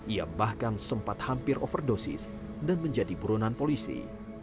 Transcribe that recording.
ia bahkan sempat hampir overdosis dan menjadi buronan polisi